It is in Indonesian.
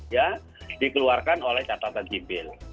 ya dikeluarkan oleh catatan sipil